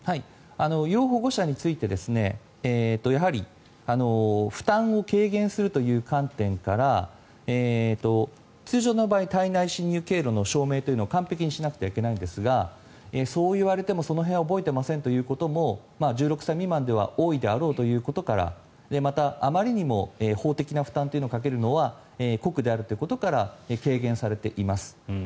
要保護者についてやはり、負担を軽減するという観点から通常の場合体内侵入経路の証明を完璧にしなくてはいけないんですがその辺は覚えてませんということも１６歳未満では多いであろうということからまた、あまりにも法的な負担をかけるのは酷であるということから軽減されています。